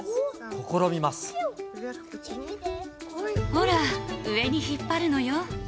ほら、上に引っ張るのよ。